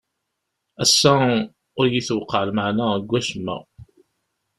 Ass-a ur iyi-tewqeɛ lmeɛna deg wacemma.